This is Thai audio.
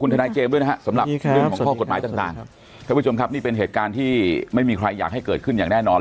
ท่านผู้ชมครับนี่เป็นเหตุการณ์ที่ไม่มีใครอยากให้เกิดขึ้นอย่างแน่นอน